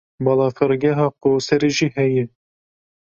Balafirgeha Qoserê jî heye.